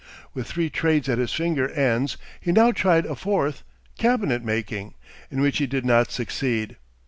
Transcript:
With three trades at his finger ends, he now tried a fourth, cabinet making, in which he did not succeed.